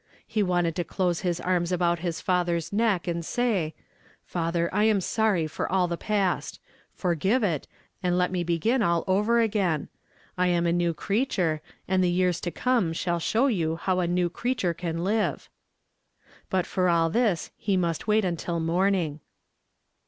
He wanted to close his arms about his father's neck and say : "Father I am sorry for all the past; forgive it, and let nie begin all over again. I am a new creature, and the yeai s to come shall show you "HE PUT A NEW SONG IN MY MOUTH." 59 how a new creature can live." But for all this he must wait until morning.